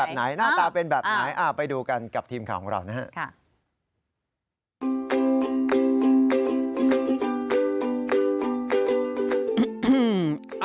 ไหนหน้าตาเป็นแบบไหนไปดูกันกับทีมข่าวของเรานะฮะ